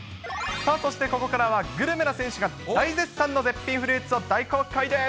さあ、そしてここからは、グルメな選手が大絶賛の絶品フルーツを大公開です。